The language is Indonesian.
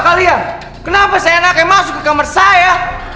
kalian kenapa saya anaknya masuk ke kamar saya